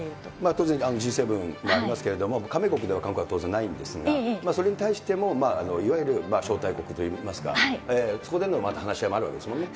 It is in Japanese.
当然、Ｇ７がありますけれども、加盟国では韓国は当然ないんですが、それに対してもいわゆる招待国といいますか、そこでの話し合いもあるわけですもんね。